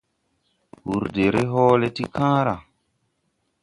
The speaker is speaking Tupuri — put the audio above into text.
Wùr deʼ hɔɔlɛ ti kããra.